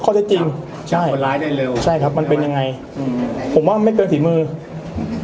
เขาจะได้จริงใช่ใช่ครับมันเป็นยังไงอืมผมว่ามันไม่เกินฝีมือฮือ